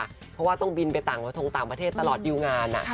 เพราะว่าต้องบินไปต่างกระทงต่างประเทศตลอดดิวงาน